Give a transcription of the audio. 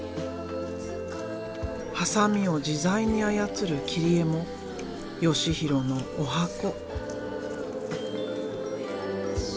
ハサミを自在に操る「切り絵」も義紘のおはこ。